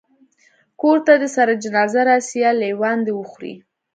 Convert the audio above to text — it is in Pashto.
کور ته دي سره جنازه راسي یا لېوان دي وخوري